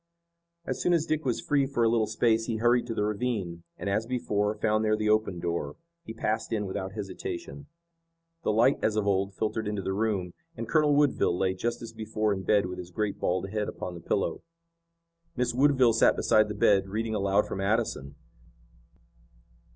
As soon as Dick was free for a little space he hurried to the ravine, and, as before, found there the open door. He passed in without hesitation. The light as of old filtered into the room, and Colonel Woodville lay just as before in bed with his great bald head upon the pillow. Miss Woodville sat beside the bed, reading aloud from Addison.